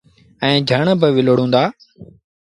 ائيٚݩ جھڻ با ولوڙون دآ۔